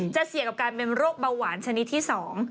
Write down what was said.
จะเสี่ยงกับการเป็นโรคเบาหวานชนิดที่สอง